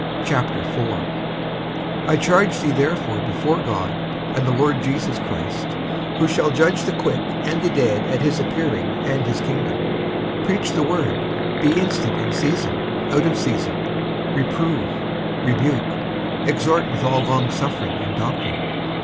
55:004:001 I charge thee therefore before God, and the Lord Jesus Christ, who shall judge the quick and the dead at his appearing and his kingdom; 55:004:002 Preach the word; be instant in season, out of season; reprove, rebuke, exhort with all longsuffering and doctrine.